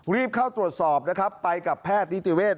รีบเข้าตรวจสอบนะครับไปกับแพทย์นิติเวศ